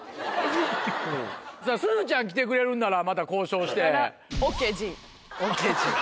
すずちゃん来てくれるんならまた交渉して。